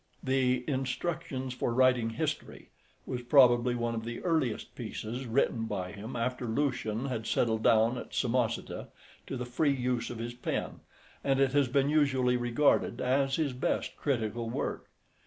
The "Instructions for Writing History" was probably one of the earliest pieces written by him after Lucian had settled down at Samosata to the free use of his pen, and it has been usually regarded as his best critical work.